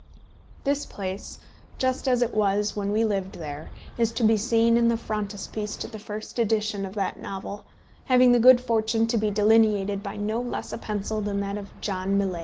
This place, just as it was when we lived there, is to be seen in the frontispiece to the first edition of that novel, having had the good fortune to be delineated by no less a pencil than that of John Millais.